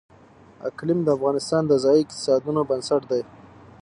اقلیم د افغانستان د ځایي اقتصادونو بنسټ دی.